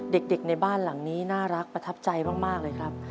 เด็กในบ้านหลังนี้น่ารักประทับใจมากเลยครับ